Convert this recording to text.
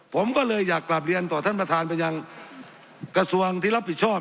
ผมก็เลยอยากกลับเรียนต่อท่านประธานไปยังกระทรวงที่รับผิดชอบ